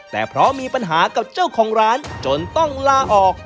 แต่เพราะมีปัญหากับเจ้าของร้านจนต้องลาออก